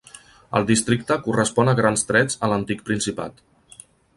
El districte correspon a grans trets a l'antic principat.